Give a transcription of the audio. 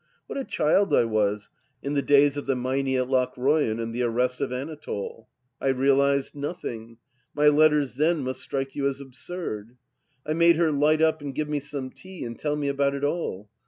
What a child I was in the days of The Meinie at Loohroyan and the arrest of Anatole !... I realized nothing. My letters then must strike you as absurd. I made her light up and give me some tea and tell me about it all.